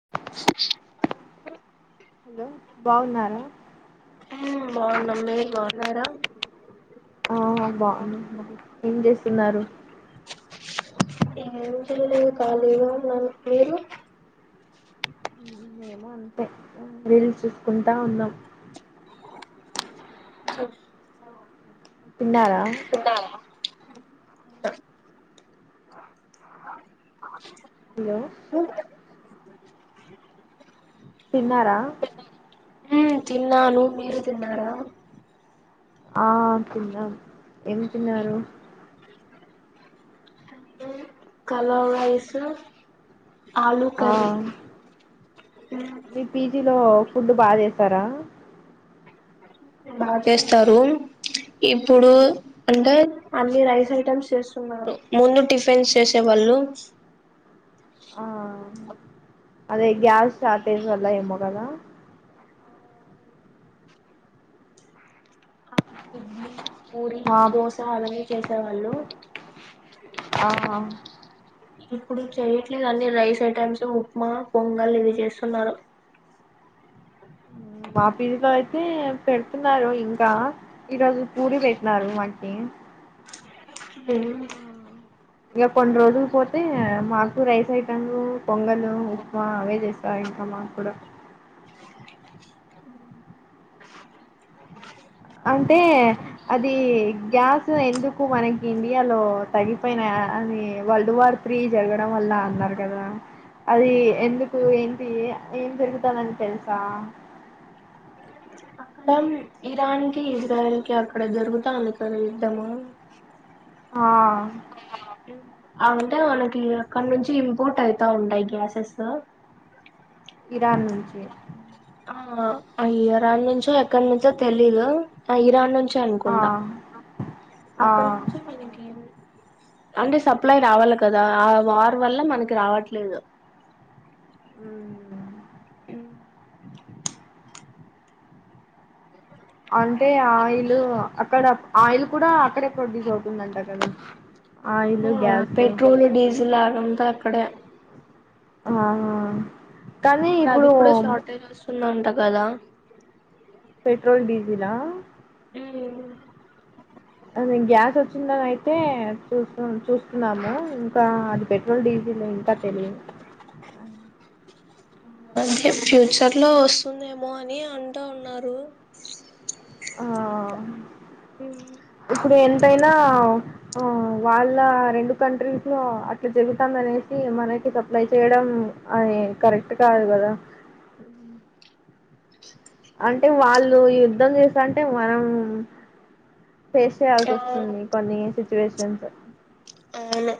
అ [inaudible] hello బాగున్నారా మ్మ్ బాగున్నాం మీరు బాగున్నారా ఆ బాగున్నామండి ఏం చేస్తున్నారు ఏం చేలేదు కాాలీగా ఉన్నాను మీరు మేము అంతే రీలు చూసుకుంటా ఉన్నాం చెప్ తిన్నారా [inaudible] హలో తిన్నారా నేన్ తిన్నాను మీరు తిన్నారా ఆ తిన్నం ఏం తిన్నారు కలర్ రైస్ ఆలూ ఆ కర్రీ మీ పిజిలో ఫుడు బా చేస్తారా బాగ చేస్తారు ఇప్పుడు అంటే అన్ని రైస్ ఐటమ్స్ చేస్తున్నారు ముందు టిఫిన్స్ చేసేవారు హలో ఆ అదే గ్యాస్ షార్టేజు వల్ల ఏమో గదా ఇడ్లీ పూరి మా దోశ అవన్నీ చేసేవాళ్ళు ఆ ఇప్పుడు చెయట్లేదు అన్ని రైస్ ఐటెమ్స్ ఉప్మా పొంగల్ ఇవి చేస్తున్నారు మా పిజీ లో అయితే పెడుతున్నారు ఇంకా ఈరోజు పూరీ పెట్నరు మాకి [inaudible] హ్మ్మ్ ఇక కొన్ని రోజులు పోతే మాకు రైస్ ఐటమ్ పొంగలు ఉప్మా అవే చేస్తా ఇంకా మాకు కూడా అంటే అది గ్యాస్ ఎందుకు మనకి ఇండియాలో తగిపోయినా అని వరల్డ్ వార్ త్రీ జరగడం వల్ల అన్నారు కదా అది ఎందుకు ఏంటి ఏం జరుగుతానని తెలుసా అక్కడ ఇరాన్ కి ఇజ్రాయల్ కి అక్కడ జరుగుతాంది కదా యుద్ధం ఆ అంటే మనకి అక్కడ నుంచి ఇంపోర్ట్ అయితా ఉంటాయి గ్యాసెస్ ఇరాన్ నుంచి ఆ ఇరాన్ నుంచో ఎక్కడి నుంచో తెలీదు ఆ ఇరాన్ నుంచి ఆ అనుకుంటా ఆ అక్కడ నుంచి అంటే సప్లై రావాలి కదా ఆ వార్ వల్ల మనకి రావట్లేదు హ్మ్ అంటే ఆయిల్ అక్కడ ఆయిల్ కూడా అక్కడే ప్రొడ్యూస్ అవుతుందంట కదా ఆయిల్ గ్యాస్ ఫజు లాగా అంతా అక్కడే ఆ ఇప్పుడు అది కూడా షార్టేజ్ వస్తుందంట కదా పెట్రోల్ డీజిలా హ్మ్ అది గ్యాస్ వచ్చిందని అయితే చూ చూస్తున్నాము ఇంకా అది పెట్రోల్ డీజిల్ ఇంకా తెలియదు అంటే ఫ్యూచర్ లో వస్తుందేమో అని అంటూ ఉన్నారు ఆ ఇప్పుడు ఎంతైనా వాళ్ళ రెండు కంట్రీస్ లో అట్లా జరుగుతాంది అనేసి మనకి సప్లై చేయడం అది కరెక్ట్ కాదు కదా అంటే వాళ్ళు యుద్ధం చేస్త అంటే మనం ఫేస్ చేయాల్సి అవును వస్తుంది కొన్ని సిచ్యువేషన్స్ అవును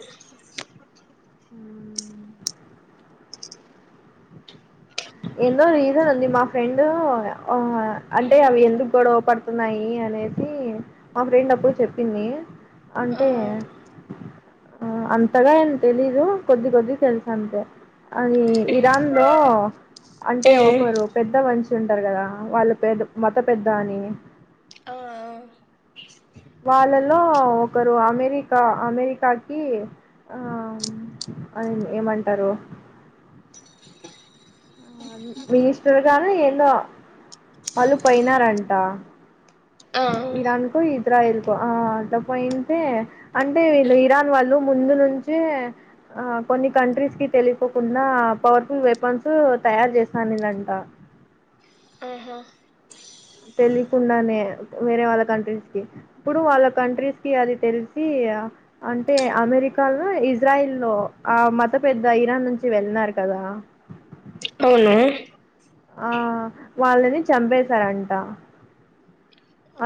ఎందో రీజన్ ఉంది మా ఫ్రెండ్ అంటే అవి ఎందుకు గొడవ పడుత వస్తున్నాయి అనేసి మా ఫ్రెండ్ అప్పుడు చెప్పింది ఆ అంటే ఆ అంతగా ఏం తెలీదు కొద్ది కొందిగా తెలుసు అంతే అది ఇరాన్ లో అంటే ఒకరు పెద్ద వా మనుషులు ఉంటారు కదా వాళ్ళు పెద్ద మత పెద్ద అని ఆ వాళ్ళలో ఒకరు అమెరికా అమెరికాకి ఆ అని ఏమంటారు కానీ ఏందో వాళ్ళు పోయినారంట ఇరాన్కో ఇజ్రాయిల్ కు ఆలా పోయంటే ఏంటే అంటే వీళ్ళు ఇరాన్ వాళ్ళు ముందు నుంచే ఆ కొన్ని కంట్రీస్ కి తెలియకుండా పవర్ఫుల్ వెపన్స్ తయారు చేశానుదంట ఆహా తెలియకుండానే వేరే వాళ్ళ కంట్రీస్ కి ఇప్పుడు వాళ్ళ కంట్రీస్ కి అది తెలిసి అంటే అమెరికాలో ఇజ్రాయిల్ లో ఆ మత పెద్ద ఇరాన్ నుంచి వెళ్ళన్నారు కదా కదా అవును ఆ వాళ్ళని చంపేశారంట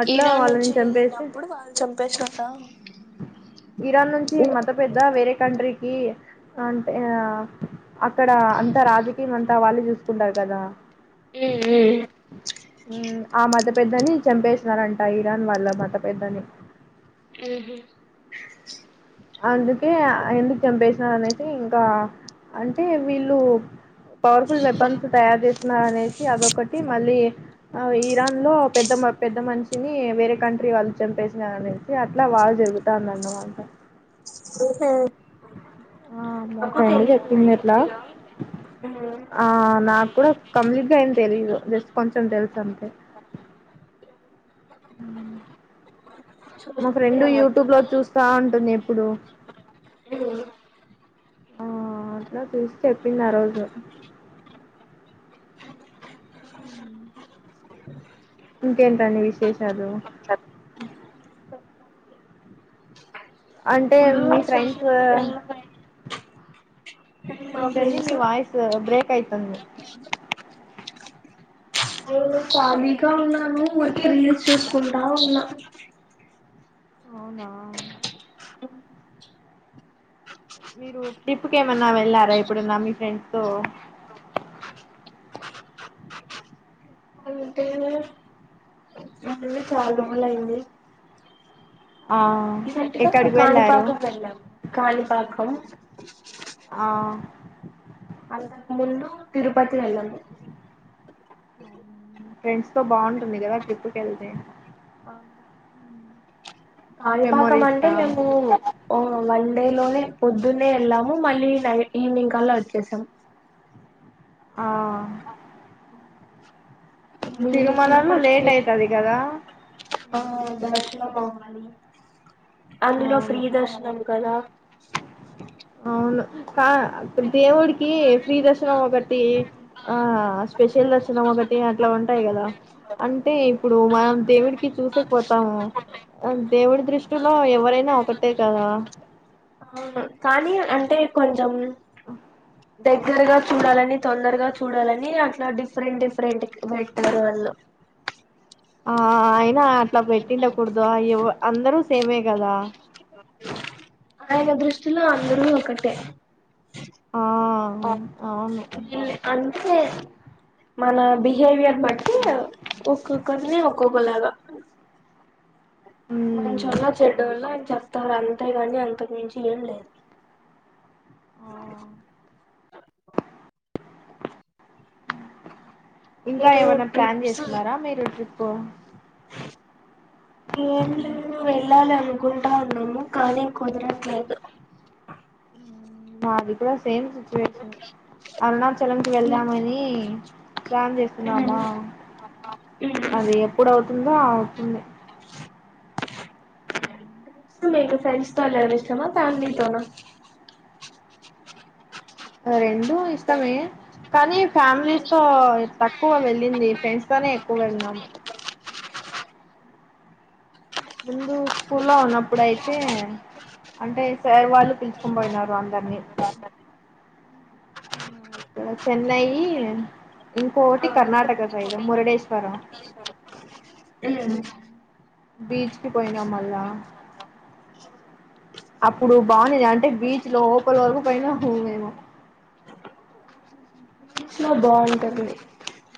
అట్లా ఇరాన్ నుంచి వాళ్ళని చంపేసి వెళ్ళినప్పుడు వాళ్ళు చంపే [unintelligible] ఇరాన్ నుంచి మత పెద్ద వేరే కంట్రీకి అంటే అక్కడ అంతా రాజకీయం అంతా వాళ్ళు చూసుకుంటారు కదా ఆ మత పెద్దని చంపేసినారంట ఇరాన్ వాళ్ళ మత పెద్దని ఆహ అందుకే ఎందుకు చంపేసినారు అనేసి ఇంకా అంటే వీళ్ళు పవర్ఫుల్ మబన్స్ తయారు చేస్తున్నారు అనేసి అదొకటి మళ్ళీ ఆ ఇరాన్ లో పెద్ద పెద్ద మనిషిని వేరే కంట్రీ వాళ్ళు చంపేసిన అనేసి అట్లా వార్ జరుగుతందన్నమాట ఆ అమ్మో నాకు ఫ్రెండ్ తెలీదు చెప్పింది ఎట్లా పూర్తిగా ఆ నాకు కూడా కంప్లీట్ గా అయిం తెలీదు జస్ట్ కొంచెం తెలుసు అంతే హహ మా సోషల్ ఫ్రెండ్ మీడియా యూట్యూబ్ లో వాడతారా చూస్తా ఉంటుంది ఎప్పుడు ఆ అట్లా చూసి చెప్పింది ఆ రోజు ఇంకేంటండి విశేషాలు అంటే ఇప్పుడు మీ ఫ్రెండ్స్ సోషల్ మీడియాలో మా ఏంటండి మీ ఫ్రెండ్స్ వాయిస్ బ్రేక్ అయితుంది నేను ఖాళీగా ఉన్నాము మనళకి రీల్స్ చూసుకుంటా ఉన్నా అవునా మీరు ట్రిప్ క ఏమన్నా వెళ్ళారా ఇప్పుడున్న మీ ఫ్రెండ్స్ తో అంటే చాలా రోజులు అయింది ఆహ కాణిపాకం అన్నా కానీపాకం ఆహ అందుకు ముందు తిరుపతి వెళ్ళము ఫ్రెండ్స్ తో బాగుంటుంది కదా ట్రిప్ క వెళ్తే ఆ, కాణిపాకం మెమోరీస్ అంటే గా మేము ఓ వన్ డే లోనే పొద్దున్న వెళ్ళాము మళ్ళీ నై ఈవినింగ్ కల్లా వచ్చేసాము ఆహ మీ తిన ప లేట్ అయితది కదా ద వాలి అందులో ఫీ అవును దర్శనం కదా అవును కా దేవుడికి స్్రీ దర్శనం ఒకటి ఆ స్పెషల్ దర్శనం ఒకటి అట్లా ఉంటాయి కదా అ అంటే ఇప్పుడు మనం దేవుడికి చూసే పోతాము అ దేవుడి దృష్టిలో ఎవరైనా ఒకటే కదా ఆ కానీ అంటే కొంచెం ఆహ దగ్గరగా చూడాలని తొందరగా చూడాలని అట్లా డిఫరెంట్ డిఫరెంట్ పెట్టారు వాళ్ళు ఆ అయినా అట్లా పెట్టిండకూడదువ అందరూ సేమే కదా అలాగ దృష్టిలో అందరూ ఒకటే ఆ ఆ అవును ఇ అంతే మన బిహేవియర్ బట్టి ఒక్కొక్కరిని ఒక్కొక్కలాగా ఉమ్ మంచిోళ చెడ వాళ్ళ అని చెప్తారు అంతేగాని అంతకు మించి ఏం లేదు ఇంకా మీరు ఏమైనా ప్లాన్ ట్రిప్స్ చేస్తున్నారా మీరు ట్రిప్ ఏ వెళ్ళాల కుంటడా ఉన్నాము కానీం కుదరట్లేదు మాది కూడా సేమ్ సచువేషన్ అరుణాచలంకి వెళ్ళామని ప్లాన్ చేస్తున్నామా అది ఎప్పుడు అవుతుందో అవుతుంది మీకు ఫ్రెండ్స్ తో ఉండడం ఇష్టమా ఫ్యామిలీతోనా రెండు ఇష్టమే కానీ ఫ్యామిలీస్ తో తక్కువ వెళ్ళింది ఫ్రెండ్స్ తోనే ఎక్కువ వెళ్నాము ముందు స్కూల్ లో ఉన్నప్పుడు అయితే అంటే సార్ వాళ్ళు పిల్చుకొని పోయినారు అందరినీ ఆ, ఇక్కడ చెన్నై ఇంకోకటి కర్ణాటక సైడ్ మురడేశ్వరం ఊ బీచ్కి పోయినా మళ్ళా అప్పుడు బాగుంది అంటే బీచ్ లో పలి వరకు పోనాము మేము చాల బాగుంటది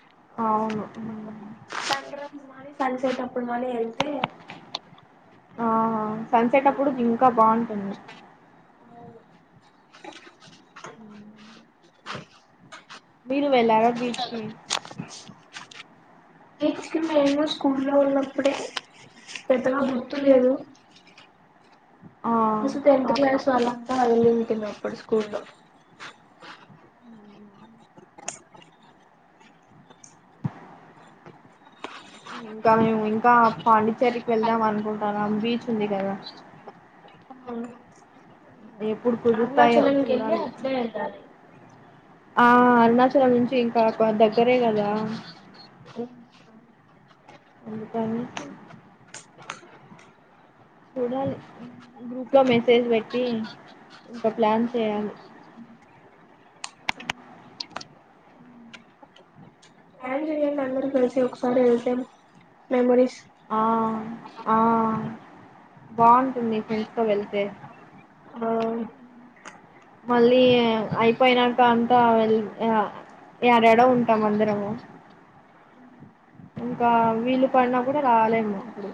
అవును [unintelligible] సన్సేటప్పుడు మళ్ళ వెళ్తే ఆ సన్సెట్ అప్పుడు ఇంకా బాగుంటుంది మీరు వెేళ్ళారా బీచ్ కి [unintelligible] స్కూల్లో ఉన్నప్పుడే పెద్దగా గుర్తు లేదు ఆ టెన్త్ క్లాస్ వాళ్ళంతా వెళ్ళింటిమి స్కూల్ లో ఇంకా మేము ఇంకా పాండిచ్చేరికి వెళ్దాం అనుకుంటాను బీచ్ ఉంది కదా ఎప్పుడు కుదురుతాయో అరుణాచలంకి వెళ్ళి చూడాలి అట్లే వెళ్ళాలి ఆ అరుణాచలం నుంచి ఇంకా దగ్గరే కదా ఎందుకని చూడాలి గ్రూప్ లో మెసేజ్ పెట్టి ఇంకా ప్లాన్ చేయాలి ప్లాన్ చేయండి అందరు ఒకసారి అతే మెమోరీస్ ఆ ఆ బాగుంటుంది ఫ్రెండ్స్ తో వెళ్తే ఆ మళ్ళీ అయిపోయినాక అంతా వె ఆ ఏడేడో ఉంటాం అందరము ఇంకా వీలు పడినా కూడా రాలేము ఇప్పుడు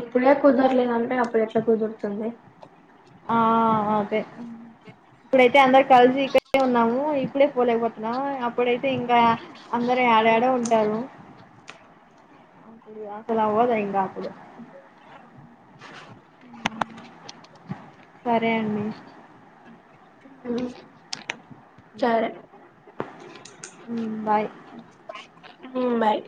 ఇప్పుడే కుదరలేదంటే అప్పుడు ఎట్లా కుదురుతుంది ఆ అదే ఇప్పుడైతే అందరు కలిసి ఇక్కడే ఉన్నాము ఇప్పుడే పోలేకపోతున్నాము అప్పుడైతే ఇంకా అందరు యాడ యాడో ఉంటారు అప్పుడు అసలు అవ్వదు ఇంకాప్పుడు సరే అండి సరే ఊ బాయ్ ఊ బాయ్